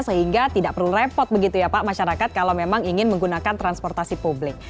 sehingga tidak perlu repot begitu ya pak masyarakat kalau memang ingin menggunakan transportasi publik